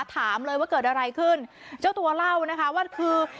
ถามเลยว่าเกิดอะไรขึ้นเจ้าตัวเล่านะคะว่าคือ